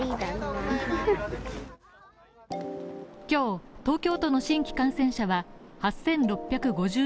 今日、東京都の新規感染者は８６５２人。